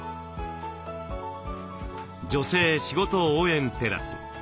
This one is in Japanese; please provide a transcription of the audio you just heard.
「女性しごと応援テラス」。